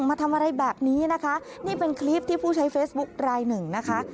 มาทำอะไรแบบนี้นะคะนี่เป็นคลิปที่ผู้ใช้เฟซบุ๊คลายหนึ่งนะคะ